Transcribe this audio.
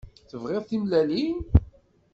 Tebɣiḍ timellalin?